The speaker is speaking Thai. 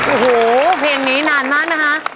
โอ้โหเพลงนี้นานมากนะคะ